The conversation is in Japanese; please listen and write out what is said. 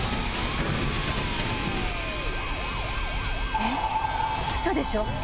えっウソでしょ？